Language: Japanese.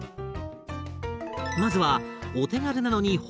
まずはお手軽なのに本格的。